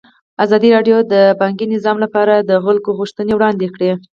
ازادي راډیو د بانکي نظام لپاره د خلکو غوښتنې وړاندې کړي.